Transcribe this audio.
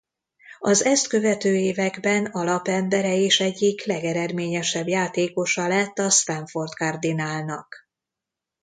Az ezt követő években alapembere és egyik legeredményesebb játékosa lett a Stanford Cardinalnak.